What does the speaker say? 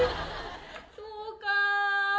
そうか。